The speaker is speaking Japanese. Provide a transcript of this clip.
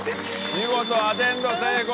見事アテンド成功です！